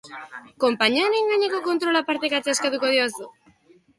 Konpainiaren gaineko kontrola partekatzea eskatuko diozu?